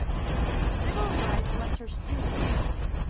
Sewell Wright was her student.